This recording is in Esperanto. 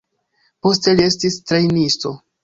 Poste li estis trejnisto.